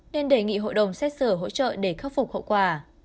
nên đề nghị hội đồng xét xử hỗ trợ để khắc phục hậu quả